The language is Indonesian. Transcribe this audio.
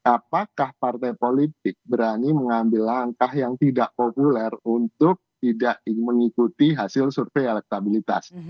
apakah partai politik berani mengambil langkah yang tidak populer untuk tidak mengikuti hasil survei elektabilitas